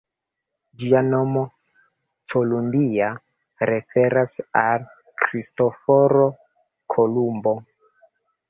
Ĝia nomo, ""Columbia"", referas al Kristoforo Kolumbo.